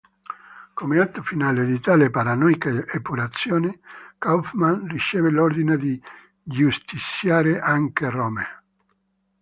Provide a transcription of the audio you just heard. Come atto finale di tale paranoica epurazione, Kaufmann riceve l'ordine di giustiziare anche Rommel.